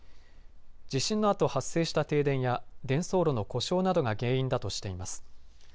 地震のあと発生した停電や伝送路の故障などが原因だとしています。